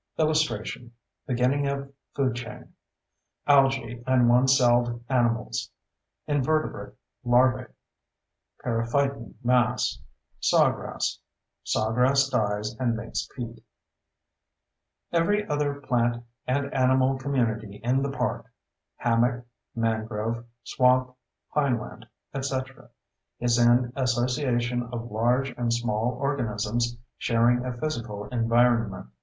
[Illustration: BEGINNING OF FOOD CHAIN] ALGAE AND ONE CELLED ANIMALS INVERTEBRATE LARVAE PERIPHYTON MASS SAWGRASS SAWGRASS DIES AND MAKES PEAT Every other plant and animal community in the park—hammock, mangrove swamp, pineland, etc.—is an association of large and small organisms sharing a physical environment.